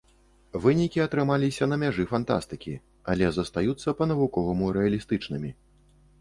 Вынікі атрымаліся на мяжы фантастыкі, але застаюцца па-навуковаму рэалістычнымі.